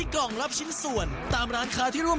โกนล้านอย่างนี้